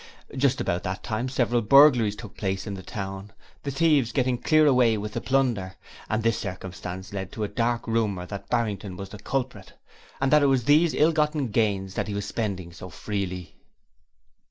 Just about that time several burglaries took place in the town, the thieves getting clear away with the plunder, and this circumstance led to a dark rumour that Barrington was the culprit, and that it was these ill gotten gains that he was spending so freely.